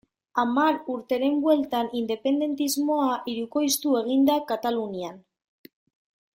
Hamar urteren bueltan, independentismoa hirukoiztu egin da Katalunian.